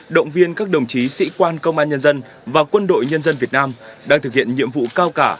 động viên các đồng chí sĩ quan công an nhân dân và quân đội nhân dân việt nam đang thực hiện nhiệm vụ cao cả